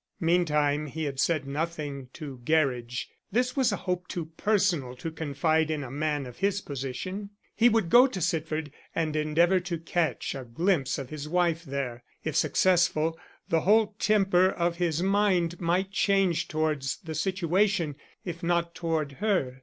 Meantime he had said nothing to Gerridge. This was a hope too personal to confide in a man of his position. He would go to Sitford and endeavor to catch a glimpse of his wife there. If successful, the whole temper of his mind might change towards the situation, if not toward her.